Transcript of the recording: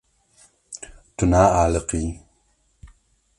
Tu naaliqî.